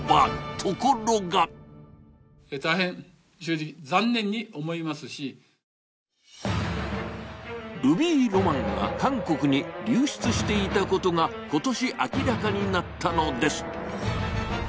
ところがルビーロマンが韓国に流出していたことが今年、明らかになったのです。